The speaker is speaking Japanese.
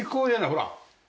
ほら。